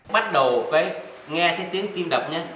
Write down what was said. bắt đầu nghe tiếng tim đập nhé